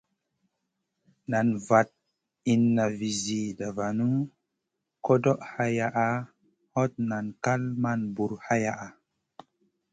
Nan vaɗ inna vi zida vanu, koɗoʼ hayaʼa, hot nan kal man bur haya.